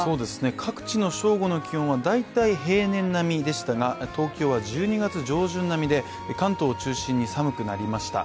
各地の正午の気温は大体、平年並みでしたが、東京は１２月上旬並みで関東を中心に寒くなりました。